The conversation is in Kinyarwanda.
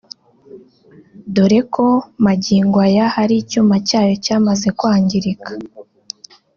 dore ko magingo aya hari icyuma cyayo cyamaze kwangirika